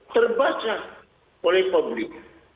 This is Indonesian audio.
terbaca oleh publik